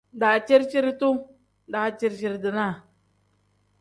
Daciri-ciri-duu pl: daciri-ciri-dinaa n.